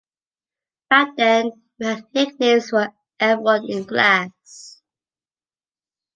Back then we had nicknames for everyone in class.